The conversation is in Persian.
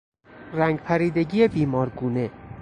رنگ پریدگی بیمارگونه